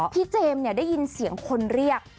เจมส์ได้ยินเสียงคนเรียก